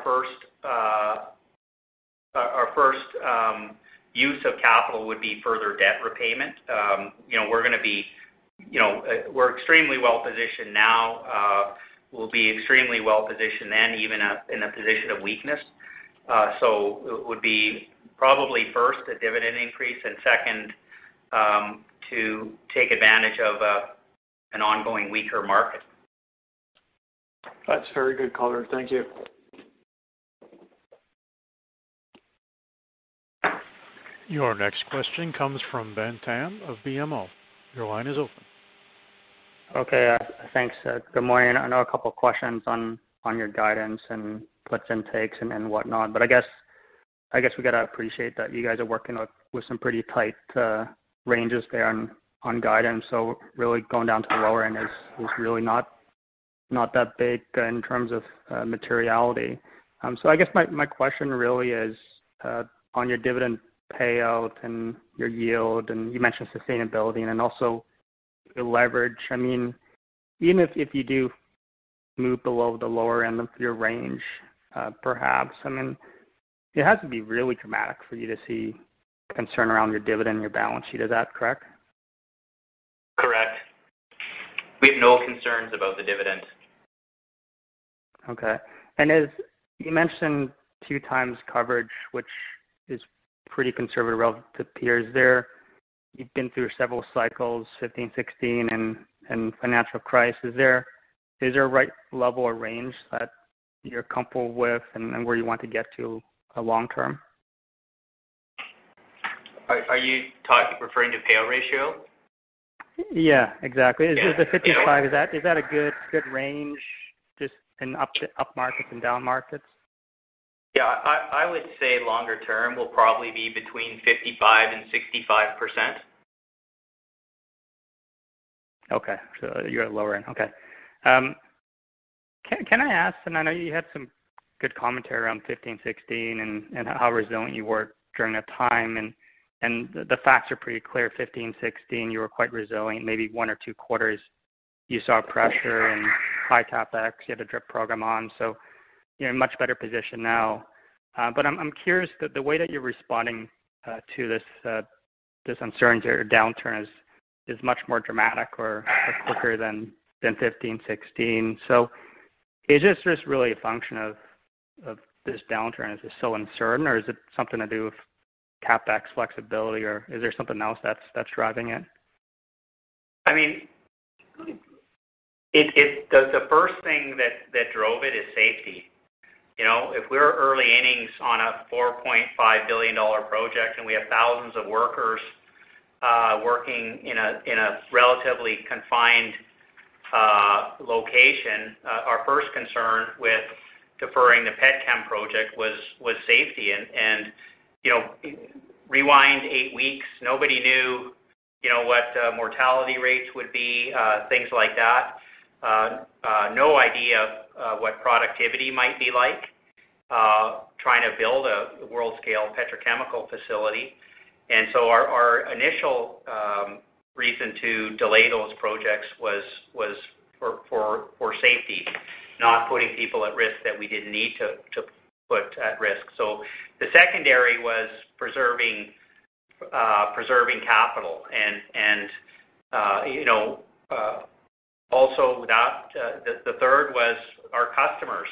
first use of capital would be further debt repayment. We're extremely well-positioned now. We'll be extremely well-positioned then even in a position of weakness. It would be probably first a dividend increase, and second to take advantage of an ongoing weaker market. That's very good color. Thank you. Your next question comes from Ben Pham of BMO. Your line is open. Okay. Thanks. Good morning. I know a couple of questions on your guidance and puts and takes and whatnot, I guess we got to appreciate that you guys are working with some pretty tight ranges there on guidance. Really going down to the lower end is really not that big in terms of materiality. I guess my question really is on your dividend payout and your yield, and you mentioned sustainability and also the leverage. Even if you do move below the lower end of your range, perhaps, it has to be really dramatic for you to see concern around your dividend, your balance sheet. Is that correct? Correct. We have no concerns about the dividend. Okay. As you mentioned, two times coverage, which is pretty conservative relative to peers there. You've been through several cycles, 2015, 2016, and financial crisis. Is there a right level or range that you're comfortable with and where you want to get to long-term? Are you referring to payout ratio? Yeah, exactly. Yeah. The 55, is that a good range, just in up markets and down markets? Yeah. I would say longer term, we'll probably be between 55% and 65%. Okay. You're at lower end. Okay. Can I ask, I know you had some good commentary around 2015, 2016, and how resilient you were during that time. The facts are pretty clear, 2015, 2016, you were quite resilient. Maybe one or two quarters you saw pressure and high CapEx. You had a drip program on, you're in a much better position now. I'm curious, the way that you're responding to this uncertainty or downturn is much more dramatic or quicker than 2015, 2016. Is this just really a function of this downturn? Is it so uncertain or is it something to do with CapEx flexibility or is there something else that's driving it? The first thing that drove it is safety. If we're early innings on a 4.5 billion dollar project and we have thousands of workers working in a relatively confined location, our first concern with deferring the Petchem project was safety. Rewind eight weeks, nobody knew what mortality rates would be, things like that. No idea what productivity might be like trying to build a world-scale petrochemical facility. Our initial reason to delay those projects was for safety, not putting people at risk that we didn't need to put at risk. The secondary was preserving capital, and the third was our customers.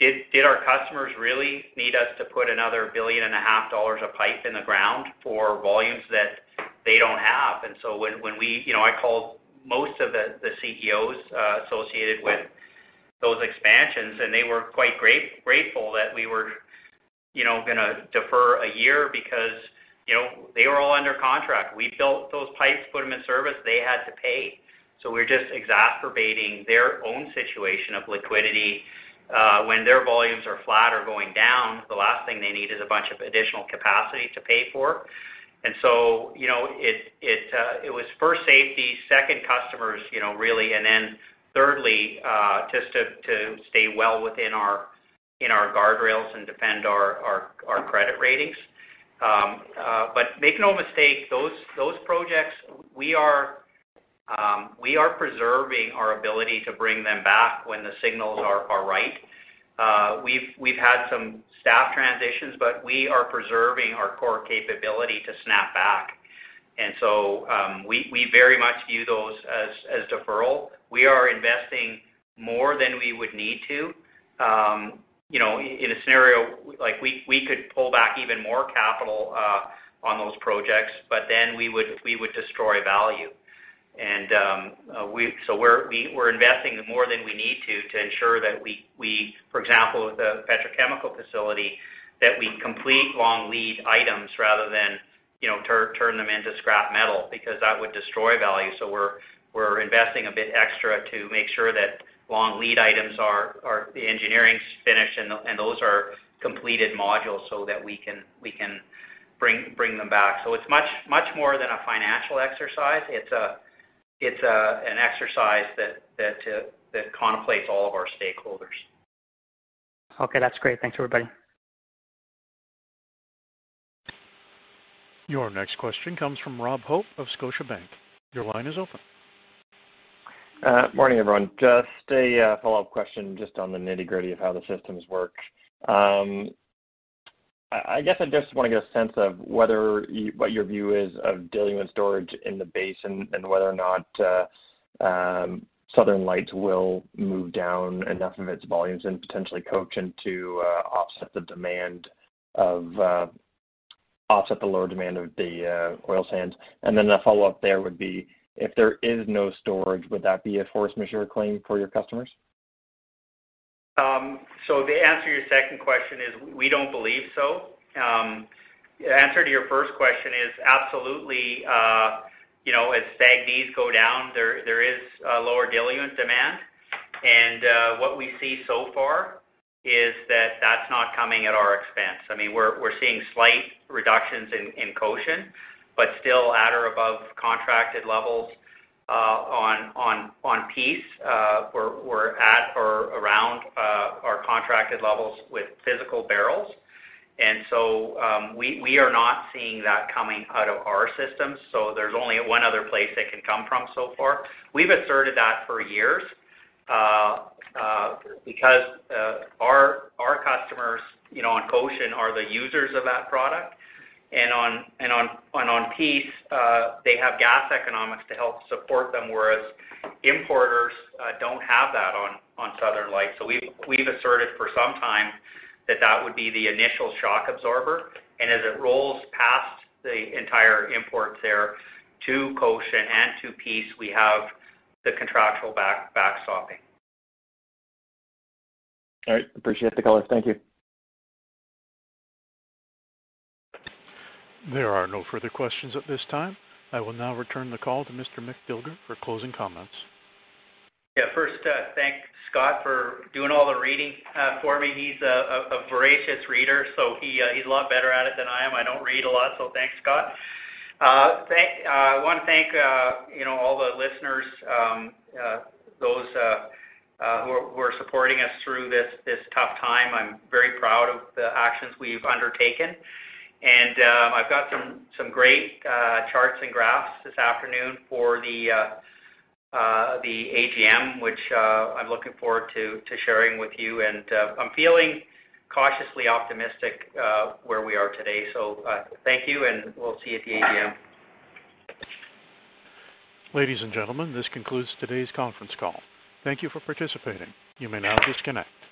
Did our customers really need us to put another 1.5 billion of pipe in the ground for volumes that they don't have? I called most of the CEOs associated with those expansions, and they were quite grateful that we were going to defer a year because they were all under contract. We built those pipes, put them in service, they had to pay. We're just exacerbating their own situation of liquidity. When their volumes are flat or going down, the last thing they need is a bunch of additional capacity to pay for. It was first safety, second customers, really, and then thirdly, just to stay well within our guardrails and defend our credit ratings. Make no mistake, those projects, we are preserving our ability to bring them back when the signals are right. We've had some staff transitions, but we are preserving our core capability to snap back. We very much view those as deferral. We are investing more than we would need to in a scenario. We could pull back even more capital on those projects, then we would destroy value. We are investing more than we need to ensure that we, for example, with the petrochemical facility, that we complete long lead items rather than turn them into scrap metal, because that would destroy value. We are investing a bit extra to make sure that long lead items are the engineering is finished, and those are completed modules so that we can bring them back. It is much more than a financial exercise. It is an exercise that contemplates all of our stakeholders. Okay. That's great. Thanks, everybody. Your next question comes from Rob Hope of Scotiabank. Your line is open. Morning, everyone. Just a follow-up question just on the nitty-gritty of how the systems work. I guess I just want to get a sense of what your view is of dealing with storage in the basin and whether or not Southern Lights will move down enough of its volumes and potentially Cochin into offset the lower demand of the oilsands. Then the follow-up there would be, if there is no storage, would that be a force majeure claim for your customers? The answer to your second question is, we don't believe so. The answer to your first question is absolutely. As SAGDs go down, there is a lower diluent demand. What we see so far is that that's not coming at our expense. We're seeing slight reductions in Cochin, but still at or above contracted levels on Peace. We're at or around our contracted levels with physical barrels. We are not seeing that coming out of our systems. There's only one other place they can come from so far. We've asserted that for years. Because our customers on Cochin are the users of that product. On Peace, they have gas economics to help support them, whereas importers don't have that on Southern Lights. We've asserted for some time that that would be the initial shock absorber. As it rolls past the entire imports there to Cochin and to Peace, we have the contractual backstopping. All right. Appreciate the color. Thank you. There are no further questions at this time. I will now return the call to Mick Dilger for closing comments. First, thank Scott for doing all the reading for me. He's a voracious reader, so he's a lot better at it than I am. I don't read a lot, so thanks, Scott. I want to thank all the listeners, those who are supporting us through this tough time. I'm very proud of the actions we've undertaken. I've got some great charts and graphs this afternoon for the AGM, which I'm looking forward to sharing with you. I'm feeling cautiously optimistic where we are today. Thank you, and we'll see you at the AGM. Ladies and gentlemen, this concludes today's conference call. Thank you for participating. You may now disconnect.